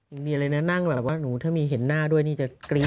อีกนิดหนึ่งอะไรนะนั่งแบบว่าถ้ามีเห็นหน้าด้วยนี่จะกรี๊ง